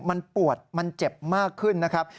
มันปวดมันเจ็บมากขึ้นนะครับ